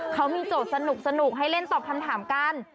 เขามีโจทย์สนุกให้เล่นตอบคำถามกัน